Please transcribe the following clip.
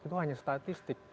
itu hanya statistik